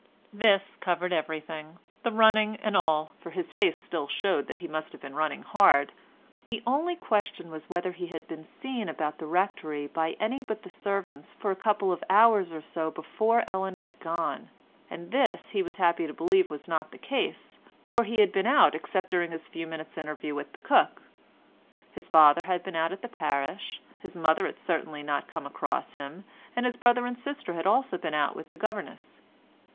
This covered everything, the running and all; for his face still showed that he must have been running hard; the only question was whether he had been seen about the Rectory by any but the servants for a couple of hours or so before Ellen had gone, and this he was happy to believe was not the case; for he had been out except during his few minutes' interview with the cook. His father had been out in the parish; his mother had certainly not come across him, and his brother and sister had also been out with the governess.